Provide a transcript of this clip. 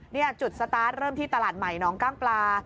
นี่จุดสตาร์ทเริ่มที่ตลาดใหม่น้องกล้างปลา